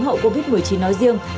hậu covid một mươi chín nói riêng